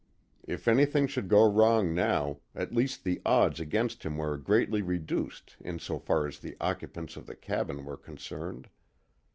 If anything should go wrong now, at least the odds against him were greatly reduced insofar as the occupants of the cabin were concerned.